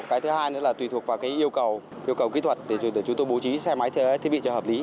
cái thứ hai nữa là tùy thuộc vào yêu cầu kỹ thuật để chúng tôi bố trí xe máy thiết bị cho hợp lý